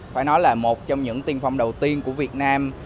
phải nói là một trong những tiên phong đầu tiên của việt nam